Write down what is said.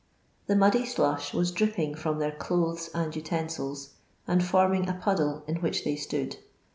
The muddy slush was dripping from their clothes and utensils, and forming a puddle in which they stood.